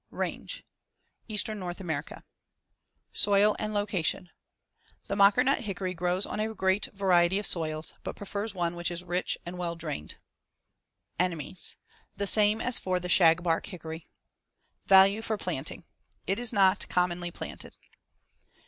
Range: Eastern North America. Soil and location: The mockernut hickory grows on a great variety of soils, but prefers one which is rich and well drained. Enemies: The same as for the shagbark hickory. Value for planting: It is not commonly planted.